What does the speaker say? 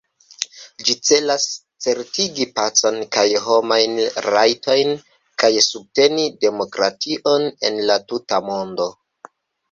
Ĝi celas certigi pacon kaj homajn rajtojn kaj subteni demokration en la tuta mondo.